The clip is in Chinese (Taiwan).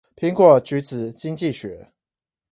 蘋果橘子經濟學